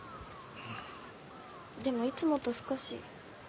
でもいつもと少し。